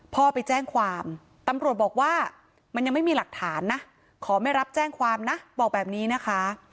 พ่อไปแจ้งความตำรวจบอกว่ามันยังไม่มีหลักฐานนะขอไม่รับแจ้งความนะบอกแบบนี้นะคะ